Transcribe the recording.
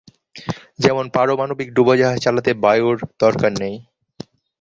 যেমন, পারমাণবিক ডুবোজাহাজ চালাতে বায়ুর দরকার নেই।